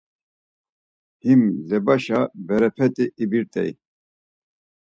Him lebaşa berepeti ibirt̆ey.